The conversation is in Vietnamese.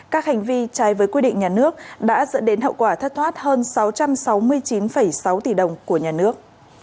các hành vi trái với quy định nhà nước đã dẫn đến hậu quả thất thoát hơn sáu trăm sáu mươi chín sáu tỷ đồng của nhà nước